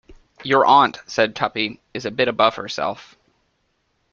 Your aunt," said Tuppy, "is a bit above herself.